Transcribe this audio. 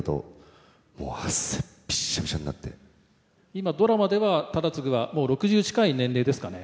今ドラマでは忠次はもう６０近い年齢ですかね？